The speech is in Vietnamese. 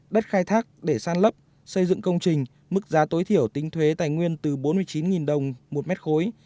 đất khai thác để san lấp xây dựng công trình mức giá tối thiểu tính thuế tài nguyên từ bốn mươi chín đồng một mét khối